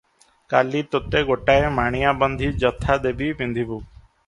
କାଲି ତୋତେ ଗୋଟାଏ ମାଣିଆବନ୍ଧି ଜଥା ଦେବି, ପିନ୍ଧିବୁ।